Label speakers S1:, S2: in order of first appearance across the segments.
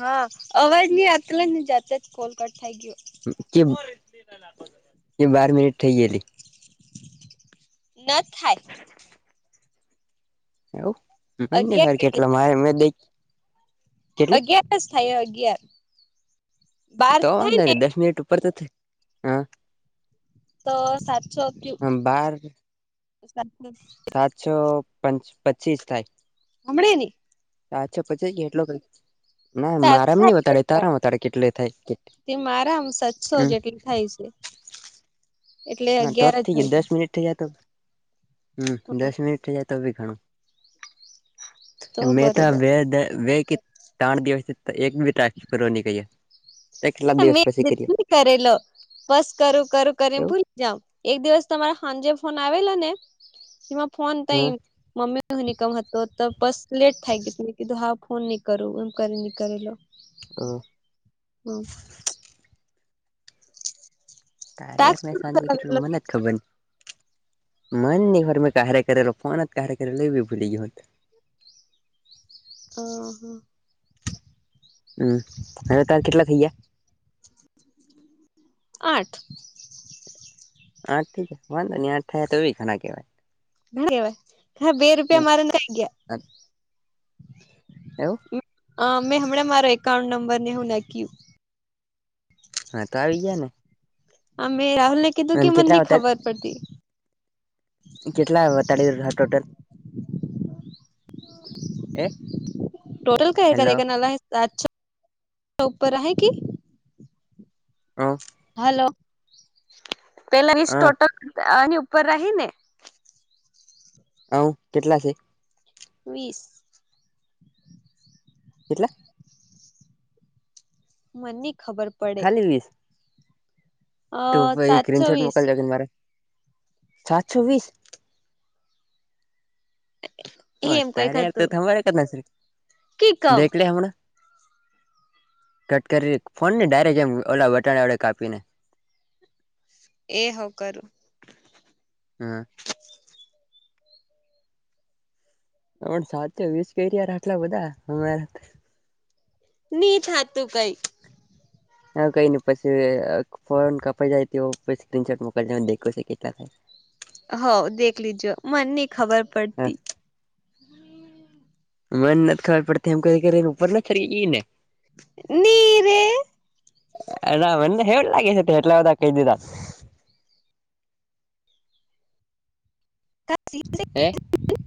S1: હા અવાજ ની આલે ને જાતા જ કોલકાટ થઈ ગયો.
S2: કેમ? બાર મિનિટ થઇ ગયેલી.
S1: ન થાય.
S2: એવું બંને
S1: અગિયાર
S2: ખર
S1: કેટલી
S2: કેટલા મારે મેદ
S1: અગિયાર જ થાય અગિયાર. બાર
S2: તો
S1: થાય
S2: ને દસ મિનિટ ઉપર તો થ, હા.
S1: તો સાતસો કયુ,
S2: બાર
S1: સાતસી.
S2: સાતસો પં પચીસ થાય.
S1: અમળે ની.
S2: હાછ પછી એટલો ના મારામ ની બતાડે તારામાં બતાડે કેટલે થાય કે.
S1: તે મારા આમ સાતસો
S2: હમ્મ.
S1: જેટલી થાય છે. એટલે
S2: હા તો
S1: અગિયાર જ
S2: થઈ ગય
S1: હોય.
S2: દસ મિનિટ તો. હમ્મ, દસ મિનિટ થઈ જાય તો બી ઘણું.
S1: તો
S2: મેં તા
S1: બરોબર
S2: વ વે કે તણ દિવસ થી એક બી ટાસ્ક કર્યો નહીં કહીએ.
S1: મેં [inaudible] કરેલો બસ કરું કરું કરી ને ભૂલી જાવ. એક દિવસ તમારા સાંજે ફોન આવેલો ને એમાં ફોન તઈ
S2: એવું
S1: મમ્મી હું નીકળવા નો હતો તો બસ લેટ થાય ગ્યું તો મેં કીધું હા ફોન નહી કરું એમ કરી નહી કરેલો.
S2: અ.
S1: હમ્મ.
S2: તારે
S1: ટાસ્ક
S2: એકને
S1: પૂરું
S2: શાંતિ
S1: કરવા
S2: કેટલી
S1: મતલબ
S2: મને જ ખબર ને. મન ને ઘર મે કારે કરેલો ફોનતન કા કરેલો એ ભૂલી ગયો હું.
S1: અ હમ્મ.
S2: હમ્મ, હવે તાર કેટલા થઈ ગ્યા?
S1: આઠ.
S2: આઠ થઈ ગ્યા? વાંધો નહીં આઠ થયા તોબી ઘણા કહેવાય.
S1: [unintelligible] બે રૂપિયા મારે નાઈ ગયા.
S2: એવું
S1: અ મેં હમણાં મારા એકાઉન્ટ નંબર ને હું નાક્યું.
S2: હા તો આવી ગ્યા ને?
S1: અમે રાહુલને
S2: અને કેટલા વટા કેટલા વટાડયા ટોટલ? એ
S1: ટોટલ કે
S2: હેલો
S1: કે ના ના આજ છે? ઉપર હહે કે?
S2: હા.
S1: હાલો, પેલા ની
S2: હા
S1: સ્ટોટલ આની ઉપર રહી ને?
S2: હવ, કેટલા છે?
S1: વીસ.
S2: કેટલા?
S1: મન ની ખબર. પડે
S2: ખાલી વિસ
S1: અ
S2: તું ભઇ
S1: સાતસો
S2: સ્ક્રીન શોર્ટ
S1: વીસ
S2: મોકલજે મારે સાતસો વીસ? ઓ
S1: એમ કઈક
S2: ત્યારે તો
S1: હતું
S2: થભવા ના
S1: કે કમ
S2: દેખલે હમણા કટ કરી ફોન ને ડાયરેક્ટ એમ ઓલા [inaudible] કાપી ને. [inaudible]
S1: એ હો કરું.
S2: હમ. હમ સાત વીસ કેરાર આટલા બધા અમા.
S1: ની થાતું કઈ.
S2: હા કઈ ન પછી ફોન કપાઈ જાય તો સ્ક્રીનશોટ મોકલ જો નેદેખવું છે કેટલા થયા.
S1: હ દેખ લીજો મન ની ખબર
S2: હા
S1: પડતી.
S2: મન નથ ખબર પડતી એમ કરી કરી ને ઉપર નથ ખરી ગઈ ને?
S1: નીરેે.
S2: અદ મને હ લાગે સ એટલા બધા કઈ દીધા. હે
S1: [unintelligible]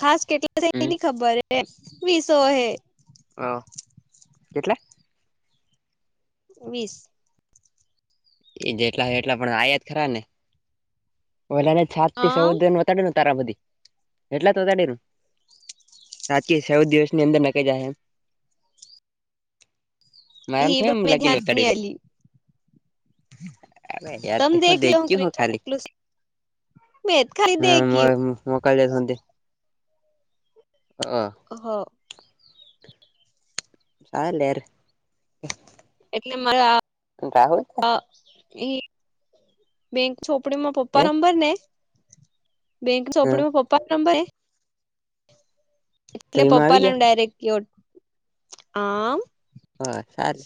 S1: ખાસ કેટલા થ
S2: હમ
S1: એની ખબર વિસો હે.
S2: હ કેટલે?
S1: વીસ.
S2: એ જેટલા એટલા પણ આયા તો ખરા ને? લાને છત થી
S1: હા
S2: સૌદનેતાડી [unintelligible] તારા બધી એટલા વતાડી [inaudible] રાજકીય ચૌદ દિવસની અંદર નખાઇ છે મારામ
S1: ઈ
S2: થ એમ
S1: મેં
S2: લાગીને
S1: ધ્યાન ની
S2: તળેરું. [unintelligible]
S1: આલી તમે
S2: તે હું
S1: દેખ
S2: દેખ્યું હું ખાલી
S1: [inaudible] લ હ [inaudible]
S2: હા [inaudible] હા.
S1: હા.
S2: આ લેર
S1: એટલે મારા
S2: [unintelligible] [inaudible]
S1: એ બેંક છોપડીમાં
S2: હે
S1: પપ્પા નંબર ને બેંક
S2: હા
S1: ચોંપડીમાં પપ્પા નંબર
S2: તો
S1: એટલે
S2: એમાં આવી
S1: પપ્પાને ડાયરેક્ટ આ
S2: હ [inaudible]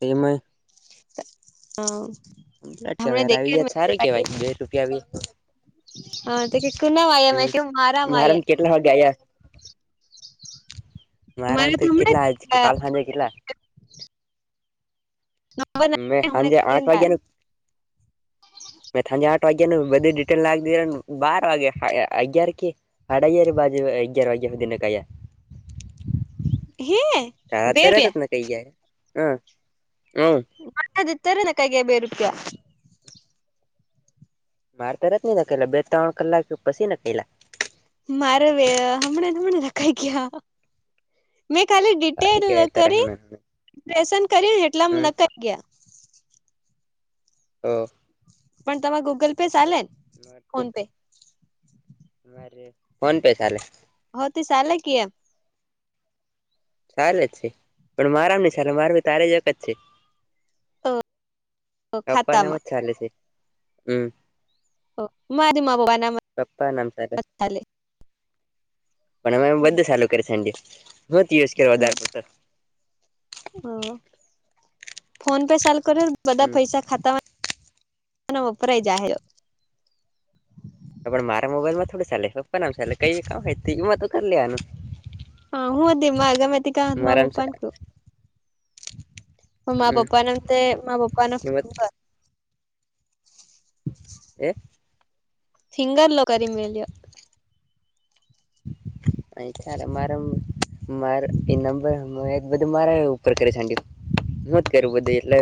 S2: એમાં
S1: હ.
S2: કેવાય આવી જત સારું કેવાય બે રૂપિયા
S1: હા તો કે કુનામાં આયા મેં કીધું મારામાં આયા.
S2: [inaudible] [unintelligible]
S1: મારે
S2: મારાંત
S1: તો હમણાં
S2: કલા [unintelligible] [inaudible] મે સાંજે આઠ વાગ્યાના મેં તાજ આઠ વાગ્યાેનું બધી ડિટેલ લાગી બાર વાગે અગિયાર કે સાડા અગયાર વાજે અગિયાર વાગ્યા દિ કહીયા.
S1: હે?
S2: તારત તરત જ
S1: રૂપિયા
S2: ને કઈ જયાર હ હમ
S1: મ દ [unintelligible] તારેના કઈ ગ બેરક [inaudible]
S2: માર તો તરત નાખેલા બે ત્રણ કલાક પછી નાખેલા
S1: મારે વ હમણાં હમણા રખાઈ ગયા. મેં ખાલી
S2: સારી
S1: ડિટેલ
S2: કેવાય તારે હમણાં
S1: કરીેશન કર્યું જેટલા
S2: હમ
S1: નક ગયા.
S2: હ.
S1: પણ તમાં ગૂગલ પે ચાલે ને ફોન પે?
S2: મારે ફોન પે ચાલે.
S1: હ તે ચાલે કે એમ
S2: ચાલે જ છે પણ મારામ નહી ચાલે માર ભી તારે જ જ છે. પપ્પા નામ
S1: ખાતામાં
S2: જ ચાલે છે હમ.
S1: મારી મા
S2: પપ્પા નામ સારા
S1: બાપાનાાલે [unintelligible]
S2: પણ અમે બધું સારું કર યુઝ કર વધારે
S1: ઓ ફોન પે ચાલ કરે બધા
S2: હમ
S1: પૈસા ખાતા વપરાય જહે
S2: પણ મારા મોબાઈલમાં થોડું ચાલે પપ્પા નામ ચાલે કઈ કામ હોય એમાં તો કરી લેવાનું.
S1: હા હું દી મા આગમેથીકા [unintelligible] મા
S2: મારામ
S1: પપા ક [inaudible] હ મા
S2: હમ
S1: પપ્પા નામ તે પપ્પા ના ફ [inaudible]
S2: એ [unintelligible]
S1: ફિંગર લો કરી મળ મેલ્યા્યો [inaudible]
S2: અ ત્યારે મારે મારે એ નંબર બધું મારા ઉપર કરે છેંડ હું જ કરું બધું એટલે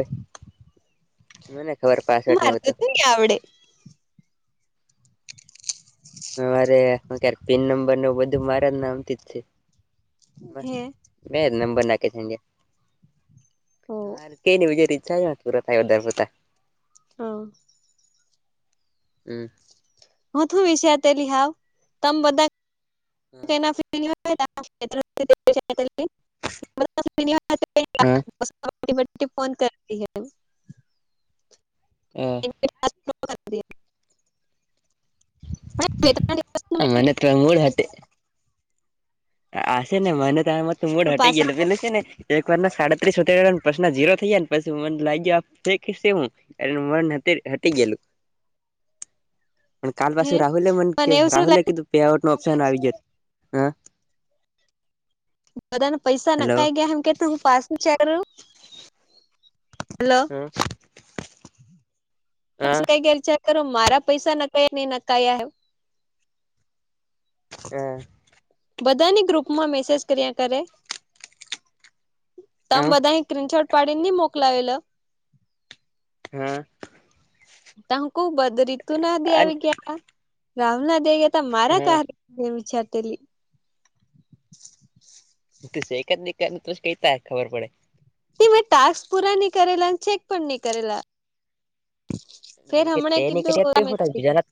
S2: મને ખબર પાસવર્ડને
S1: મારે
S2: બધું
S1: તો આવડે
S2: મારે પિન નંબર ન બધું મારા નામથીજ છે
S1: હે
S2: બે જ નંબર નાખે છેજરે
S1: ઓ
S2: કેનીજ ઈચ્છ પૂરો થાય ઉધર પતા
S1: હા
S2: હમ
S1: હું શું વિશે અત લહાવ તમ બધા ફોન કરતી હ
S2: હમ હ મનેત્ર મૂળાતે આશે ને મને ત મ તું મો હટે
S1: પાસા
S2: ગેેલે છે ને એક વાર ના સાડત્રીસ ઉતને પ્રશ્ન ઝીરો થઈાય ને પછી મને લાગ્યો હું અ મ હટી ગયેલું પણ કાલ પાછ
S1: હે
S2: રાહુલે મને
S1: એવું શું
S2: રાહુલે
S1: લાગે
S2: કીધું પેઆઉટ નો ઓપ્શન આવી જત હ
S1: બધાને પૈસા
S2: હેલો
S1: નકાઈ ગયા એમ કેતો હું પાસ ચાર રહું હલો
S2: હા હા
S1: કઈ ગય ચાર કરો મારા પૈસા નકાઈ ન ન કઈ
S2: હ
S1: બધાની ગ્રુપ માં મેસેજ કર્યા કરે તમ
S2: હા
S1: બધા ક્રીનશોટ પાડીને નહી મોકલાવેલો
S2: હા
S1: ત હું ક બધ રતુ ના દે આવી ગયા રાહુલ ના દે ગયા ત મારા ક
S2: હા હા
S1: ન વિચારતીલી
S2: એક જ દકને કઈતા ખબર પડે
S1: તે મેં ટાસ્ક પૂરા નહી કરેલા અને ચેક પણ નહી કરેલા ફેર
S2: નહી
S1: હમણાં કીધું
S2: નહીં હું બીજાના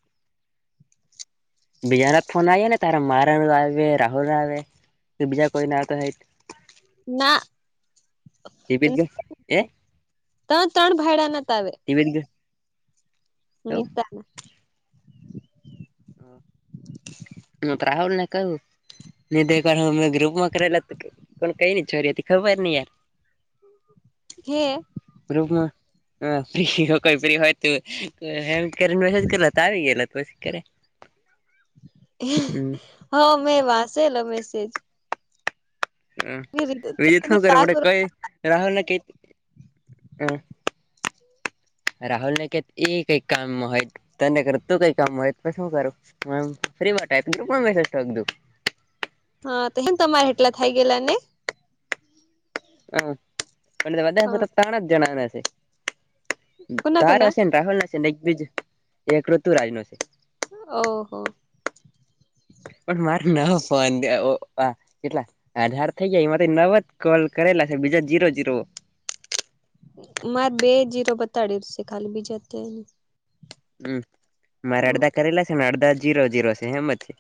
S2: બીજારના ફોન આવી ને તારા મારાાણ આવે રાહુલ આવે બીજા કોઈને આવતા નહીં
S1: ના
S2: ટીપી જ ગયો એ
S1: તમે ત્રણ ભાઈડાના ત આવે
S2: ટવીિન કે
S1: તા
S2: હું રાહુલ ને કહું ધ હમે ગ્રુપમાં કરેલા કોણ કઈ ન છોરી હતી ખબર ન યાર
S1: હે
S2: [unintelligible] હ ફ્રી કોઈ ફ્રી હોય તોમ કરીસેજ કર લ તો આવી ગે તોી કર
S1: હા મેં વાંસેલો મેસેજ
S2: હ રીજ શું કરે પડ કઈ [inaudible] રાહુલના કે રાહુલ નને કે એ એક કામ હોય. તને કર તું કઈ કામ હોય શું કરું ફ મેસેજ
S1: હા તો એમ તમારે એટલા થઈ ગયેલા ને
S2: હ અને વધા ત્રણા જ જણાના છે.
S1: કોના
S2: તારો
S1: કોના
S2: છે ને રાહુલ ન છે ને એકબીજ એક ઋતુરાજ નો છે.
S1: ઓહો
S2: પણ મારે ના ફોન દેવો આ કેટલા અઢાર થઇ જાય એમાંથી નવ જ કોલ કરેલા છે બીજા જીરો જીરો.
S1: મારે બે જીરો બતાડ છે ખાલી બીજા તેને
S2: હમ મારે અડધા કરેલા છે ને અડધા જીરો જીરો છે હેમ જ છે.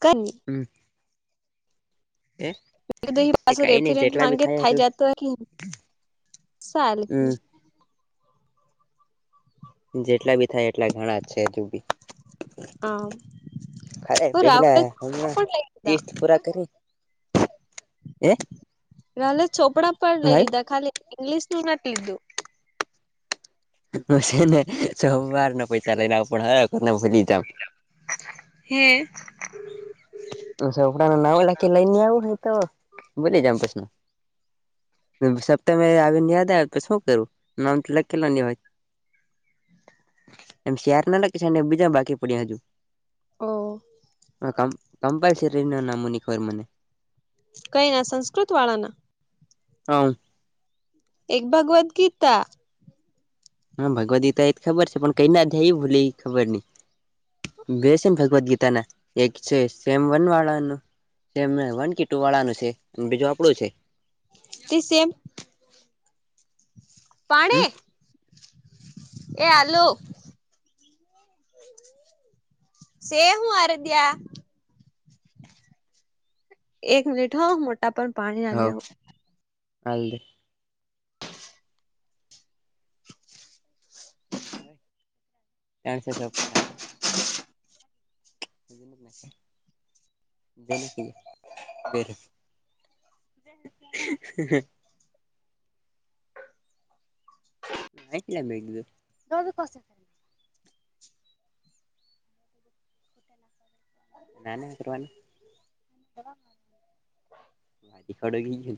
S1: કરીની [inaudible]
S2: હમ એક એ
S1: પાછું
S2: કઈ ન‌ઇ
S1: રેફરન્સ
S2: જેટલા બી
S1: માંગે
S2: થાય એટલે
S1: જતો સારું હ
S2: હમ જેટલા બી થાય એટલા ઘણા છે કયો કી ખરે
S1: હું રાહુલ
S2: પેલા
S1: પણ
S2: હમણાં
S1: લઈ લીધા
S2: તીશ પૂરા કરી. એ
S1: એલે ચોપડા પણ લઈ લીધા ખાલી ઇંગ્લિશ નું નથી લીધું.
S2: હું છે ને સવાર ના પૈસા લઈ લ આવ પણ હને ભૂલી જામ
S1: હે
S2: ચોપડા માં નામ લખી લઈ ને આવું હ તો ભુલી જાવ સપ્તામે આવી ને યાદ આવે તો શું કરું નામ તો લખેલો નહી હોય. એમ શ્યાાર ના લખી છેને બીજા બાકી પડ્યા હજુ
S1: ઓ
S2: હ કમ કંપલ્સરી ન ના મુનિકર મને
S1: કઈ ના સંસ્કૃત વાળા ના
S2: હા
S1: એક ભગવદ્ ગીતા
S2: હા ભગવદ ગીતા એ ખબર છે પણ કઈ અધ્યાય એ ભૂલે ખબર નઈ. બે છે ભગવદ ગીતાના એક છે સ્વ વન વાળાનું જેમને વન ક ટુ વાળાનું છે બીજું આપણું છે.
S1: તિ સેમ
S2: હમ
S1: પાણી એ આલુ સેવું આરધ્યા? એક મિનિટ હો મોટાપ પાણી આ
S2: હલ્દ [inaudible]
S1: [unintelligible]
S2: એનસ સોપના [inaudible] બજ ન [inaudible] બેનાખીએ બે [inaudible] એટલે મેં કીધું નાના કરવાનું વારી ખડો ગઈ છે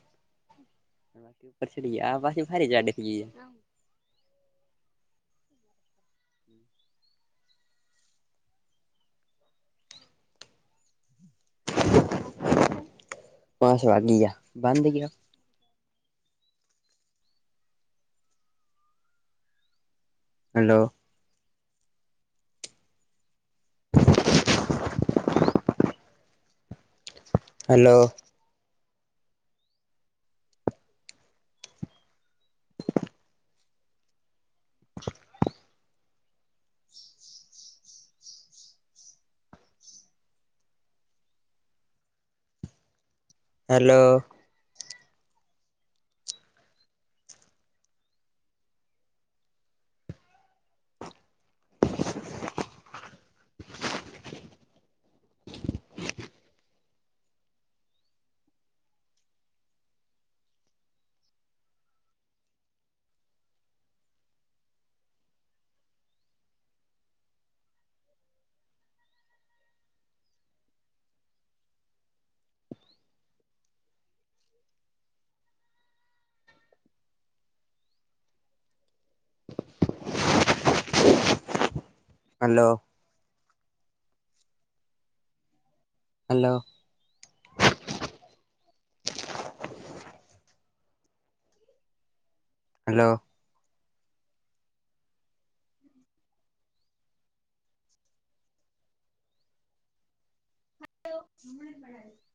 S2: કી ઉપર ચડીએ આ વાસી ભારે જાડેખએ [inaudible] હમ પાસ વા ગીયા બંધ ગયા? Hello! Hello! [unintelligible]
S1: [unintelligible]
S2: Hello, [unintelligible] hello! Hello, hello,
S1: હ [inaudible]